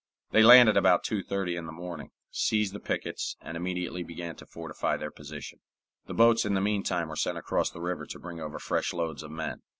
They landed about 2.30 in the morning, seized the pickets, and immediately began to fortify their position. The boats in the meantime were sent across the river to bring over fresh loads of men.